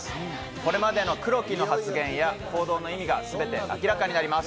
これまでの黒木の発言や行動の意味がすべて明らかになります。